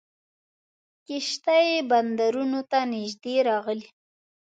کښتۍ بندرونو ته نیژدې راغلې.